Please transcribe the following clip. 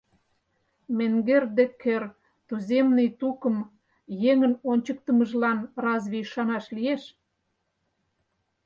— Менгер Деккер, туземный тукым еҥын ончыктымыжлан разве ӱшанаш лиеш?